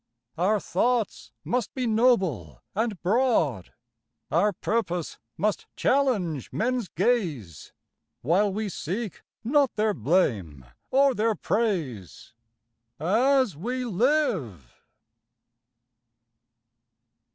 Our thoughts must be noble and broad, Our purpose must challenge men's gaze, While we seek not their blame or their praise As we live.